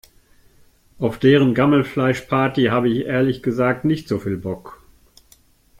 Auf deren Gammelfleischparty habe ich ehrlich gesagt nicht so viel Bock.